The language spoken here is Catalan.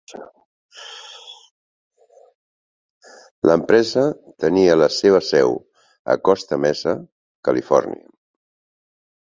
L'empresa tenia la seva seu a Costa Mesa, Califòrnia.